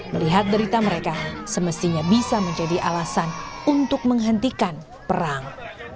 melihat derita mereka semestinya bisa menjadi alasan untuk menghentikan perang